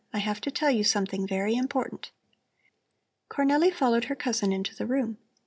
I have to tell you something very important." Cornelli followed her cousin into the room.